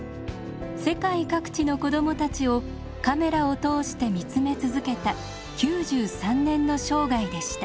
世界各地の子どもたちをカメラを通して見つめ続けた９３年の生涯でした。